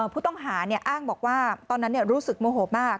ผู้ต้องหาอ้างบอกว่าตอนนั้นรู้สึกโมโหมาก